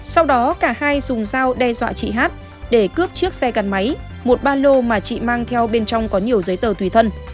sau đó cả hai dùng dao đe dọa chị hát để cướp chiếc xe gắn máy một ba lô mà chị mang theo bên trong có nhiều giấy tờ tùy thân